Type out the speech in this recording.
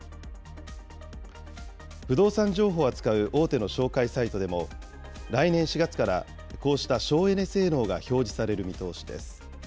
不動産情報を扱う大手の紹介サイトでも、来年４月から、こうした省エネ性能が表示される見通しです。